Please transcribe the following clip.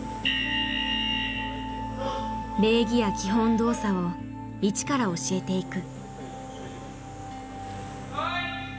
礼儀や基本動作を一から教えていく。